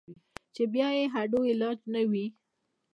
چې بيا ئې هډو علاج نۀ وي -